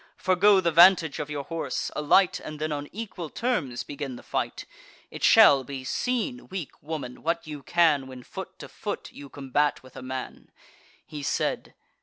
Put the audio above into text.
Forego the vantage of your horse, alight, And then on equal terms begin the fight: It shall be seen, weak woman, what you can, When, foot to foot, you combat with a man," He said.